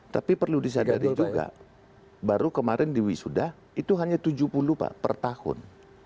tapi perlu disadari juga baru kemarin di wisuda itu hanya tujuh puluh pak per tahun